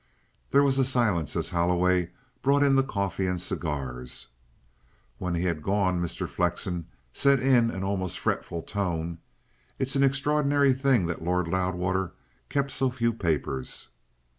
There was a silence as Holloway brought in the coffee and cigars. When he had gone, Mr. Flexen said in an almost fretful tone: "It's an extraordinary thing that Lord Loudwater kept so few papers."